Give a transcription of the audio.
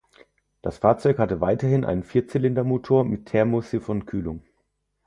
Das Fahrzeug hatte weiterhin einen Vierzylindermotor mit Thermosiphonkühlung.